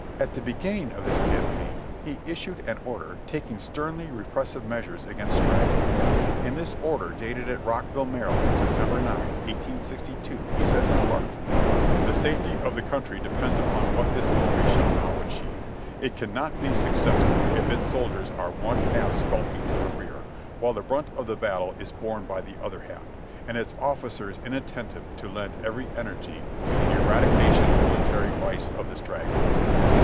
At the beginning of this campaign he issued an order taking sternly re pressive measures against straggling. In this order dated at Rockville, Maryland, September 9, 1862, he says in part : "The safety of the country depends upon what this army shall now achieve; it cannot be successful if its soldiers are one half skulking to the rear, while the brunt of the battle is borne by the other half, and its officers inattentive to lend every energy the: battle of sharpsburg 299 to the eradication military vice of the straggHng."